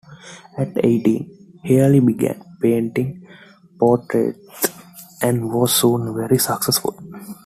At eighteen, Healy began painting portraits, and was soon very successful.